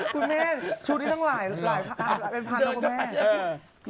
คุณแม่ชุดนี้ตั้งหลายเป็นพันแล้วคุณแม่